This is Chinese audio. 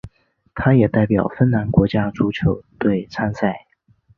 他也代表芬兰国家足球队参赛。